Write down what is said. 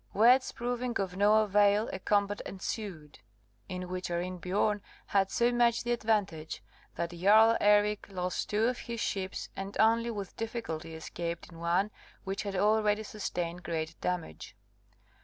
Words proving of no avail, a combat ensued; in which Arinbiorn had so much the advantage that Jarl Eric lost two of his ships, and only with difficulty escaped in one which had already sustained great damage.